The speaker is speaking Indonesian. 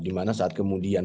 dimana saat kemudian